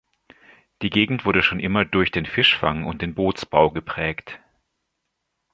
Die Gegend wurde schon immer durch den Fischfang und den Bootsbau geprägt.